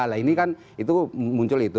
nah ini kan itu muncul itu